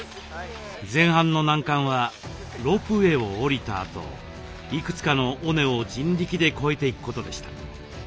前半の難関はロープウエーを降りたあといくつかの尾根を人力で越えていくことでした。